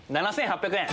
７８００円。